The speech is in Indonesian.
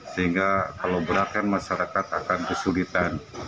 sehingga kalau gerakan masyarakat akan kesulitan